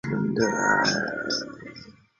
音乐由千住明担当。